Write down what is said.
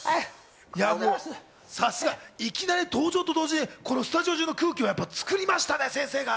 さすが、いきなり登場と同時にスタジオ中の空気を作りましたね、先生が。